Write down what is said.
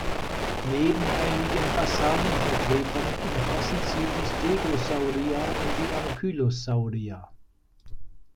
Neben einigen basalen Vertretern umfassen sie die Stegosauria und die Ankylosauria.